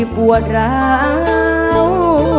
ปวดร้าว